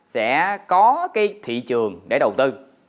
sẽ có cái thị trường để đầu tư